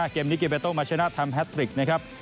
เกมนี้เกมเบตโตมัชชาณาธรรมแฮทฟริกนะครับ